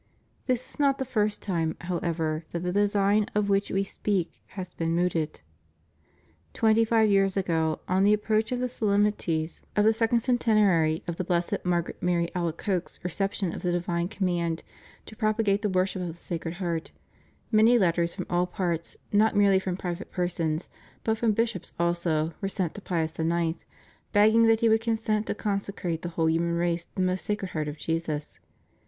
This is not the first time, however, that the design of which We speak has been mooted. Twent}^ five years ago, on the approacli of the solemnities of the 454 CONSECRATION TO THE SACRED HEART OF JESUS. 455 second centenary of the blessed Margaret Mary Alacoque's reception of the divine command to propagate the wor ship of the Sacred Heart, many letters from all parts, not merely from private persons but from bishops also, were sent to Pius IX. begging that he would consent to consecrate the whole hirnian race to the most Sacred Heart of Jesus.